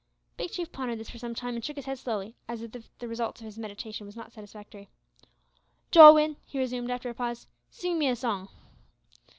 Big Chief pondered this for some time, and shook his head slowly, as if the result of his meditation was not satisfactory. "Jowin," he resumed, after a pause, "sing me a song."